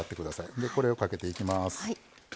でこれをかけていきます。